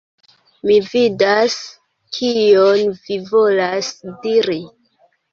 Mi vidas, kion vi volas diri.